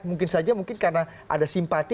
mungkin saja mungkin karena ada simpati